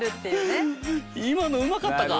今のうまかったか？